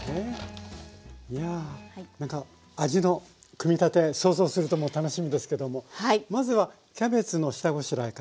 いやなんか味の組み立て想像するともう楽しみですけどもまずはキャベツの下ごしらえから。